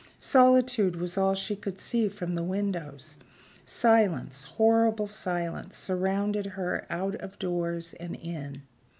Solitude was all she could see from the windows; silence, horrible silence, surrounded her out of doors and in.